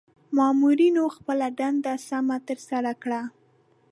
مامورنیو خپله دنده سمه ترسره کړه.